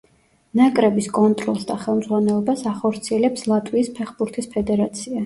ნაკრების კონტროლს და ხელმძღვანელობას ახორციელებს ლატვიის ფეხბურთის ფედერაცია.